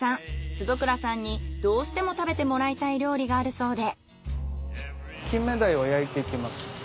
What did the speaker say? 坪倉さんにどうしても食べてもらいたい料理があるそうで。